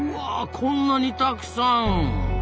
こんなにたくさん！